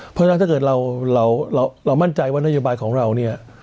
เพราะฉะนั้นถ้าเกิดเรามั่นใจว่านโยบายของเราเนี่ย